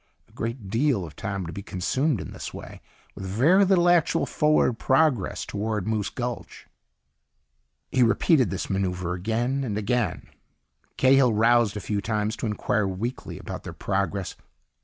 A great deal of time would be consumed in this way, with very little actual forward progress toward Moose Gulch. He repeated this maneuver again and again. Cahill roused a few times to inquire weakly about their progress.